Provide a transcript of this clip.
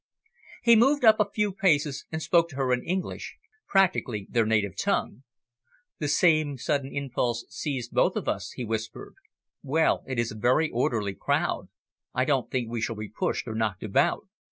He moved up a few paces and spoke to her in English, practically their native tongue. "The same sudden impulse seized both of us," he whispered. "Well, it is a very orderly crowd. I don't think we shall be pushed or knocked about.